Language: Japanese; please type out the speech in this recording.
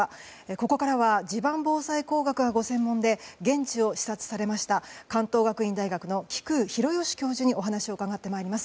ここからは地盤防災工学がご専門で現地を視察されました関東学院大学の規矩大義教授にお話を伺ってまいります。